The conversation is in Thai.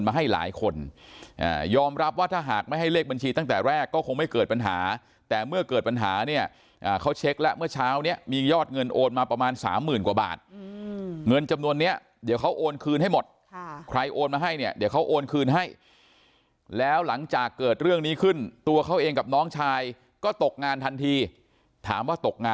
มาให้หลายคนยอมรับว่าถ้าหากไม่ให้เลขบัญชีตั้งแต่แรกก็คงไม่เกิดปัญหาแต่เมื่อเกิดปัญหาเนี่ยเขาเช็คแล้วเมื่อเช้านี้มียอดเงินโอนมาประมาณสามหมื่นกว่าบาทเงินจำนวนนี้เดี๋ยวเขาโอนคืนให้หมดใครโอนมาให้เนี่ยเดี๋ยวเขาโอนคืนให้แล้วหลังจากเกิดเรื่องนี้ขึ้นตัวเขาเองกับน้องชายก็ตกงานทันทีถามว่าตกงาน